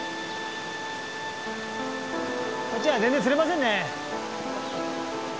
こっちは全然釣れませんね。